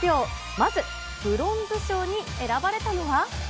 まずブロンズ賞に選ばれたのは。